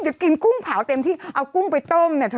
จะกินกุ้งเผาเต็มที่เอากุ้งไปต้มเนี่ยเธอ